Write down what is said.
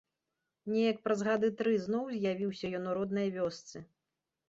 Неяк праз гады тры зноў з'явіўся ён у роднай вёсцы.